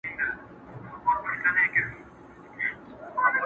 چي د ښارونو جنازې وژاړم،